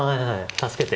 助けて。